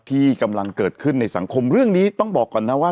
ที่กำลังเกิดขึ้นในสังคมเรื่องนี้ต้องบอกก่อนนะว่า